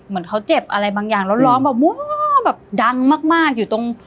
เหมือนเขาเจ็บอะไรบางอย่างแล้วร้องแบบมูแบบดังมากอยู่ตรง